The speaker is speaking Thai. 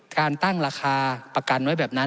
การตั้งราคาประกันไว้แบบนั้น